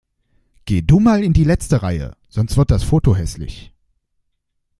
Geh du mal in die letzte Reihe, sonst wird das Foto hässlich.